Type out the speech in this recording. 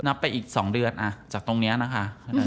ไปอีก๒เดือนจากตรงนี้นะคะ